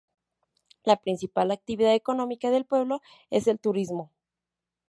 La principal actividad económica del pueblo es el turismo.